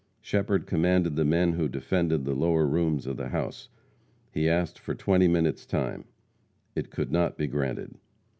Shepherd commanded the men who defended the lower rooms of the house. He asked for twenty minutes time. It could not be granted.